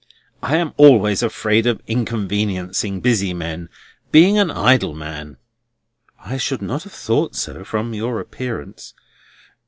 I am always afraid of inconveniencing busy men, being an idle man." "I should not have thought so, from your appearance."